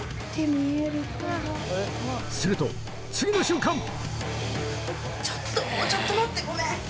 するともうちょっと待ってごめん。